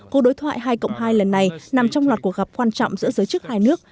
câu đối thoại hai hai lần này nằm trong loạt cuộc gặp quan trọng giữa giới chức hai nước